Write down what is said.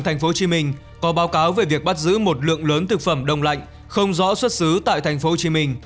tp hcm có báo cáo về việc bắt giữ một lượng lớn thực phẩm đông lạnh không rõ xuất xứ tại tp hcm